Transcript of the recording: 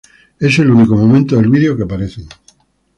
Es el único momento del vídeo que aparecen.